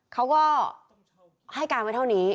เขาก็ให้การไว้เท่านี้